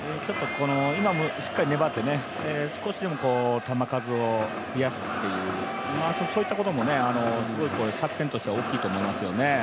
今しっかり粘って少しでも球数を増やすという、そういったことも作戦としては大きいと思います。